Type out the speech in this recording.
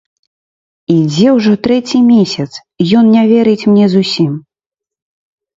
Ідзе ўжо трэці месяц, ён не верыць мне зусім.